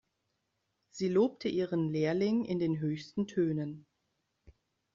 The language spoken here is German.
Sie lobte ihren Lehrling in den höchsten Tönen.